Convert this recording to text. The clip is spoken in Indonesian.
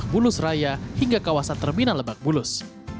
bulus raya hingga kawasan terminal lebak bulus